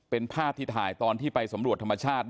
เป็นภาพที่ถ่ายตอนที่ไปสำรวจธรรมชาติ